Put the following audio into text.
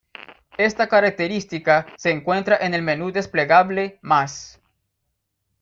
Esta característica se encuentra en el menú desplegable "Más".